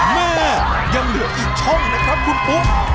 แม่ยังเหลืออีกช่องนะครับคุณปุ๊ก